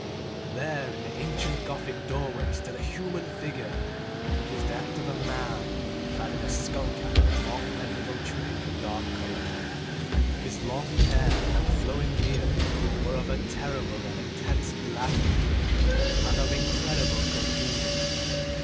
There in the ancient Gothic doorway stood a human figure. It was that of a man clad in a skull cap and long mediaeval tunic of dark colour. His long hair and flowing beard were of a terrible and intense black hue, and of incredible profusion.